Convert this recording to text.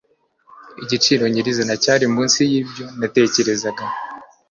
Igiciro nyirizina cyari munsi yibyo natekerezaga